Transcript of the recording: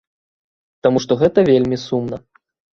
Таму што гэта вельмі сумна.